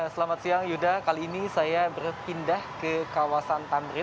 selamat siang yuda kali ini saya berpindah ke kawasan tamrin